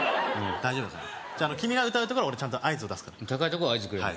大丈夫だから君が歌うところは俺ちゃんと合図を出すから高いとこは合図くれるのね